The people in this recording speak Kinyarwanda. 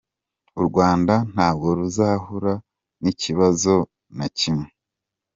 U Rwanda ntabwo ruzahura n’ikibazo na kimwe.”